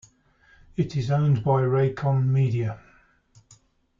It is owned by Raycom Media.